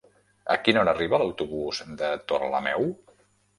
A quina hora arriba l'autobús de Torrelameu?